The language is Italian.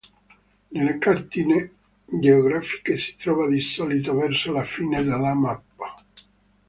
Nelle cartine geografiche si trova di solito verso la fine della mappa.